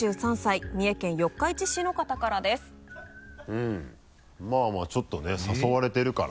うんまぁまぁちょっとね誘われてるから。